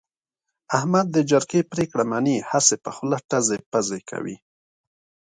احمد د جرگې پرېکړه مني، هسې په خوله ټزې پزې کوي.